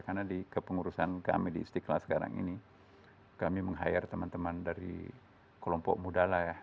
karena di kepengurusan kami di istiqlal sekarang ini kami meng hire teman teman dari kelompok muda lah ya